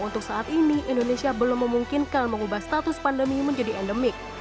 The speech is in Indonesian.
untuk saat ini indonesia belum memungkinkan mengubah status pandemi menjadi endemik